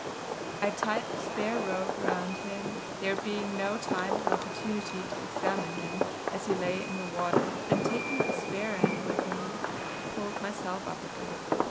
I tied the spare rope round him, there being no time or opportunity to examine him as he lay in the water, and taking the spare end with me pulled myself up again.